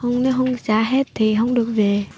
nếu không trả hết thì không được về